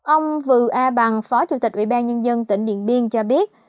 ông vư a bằng phó chủ tịch ubnd tỉnh điện biên cho biết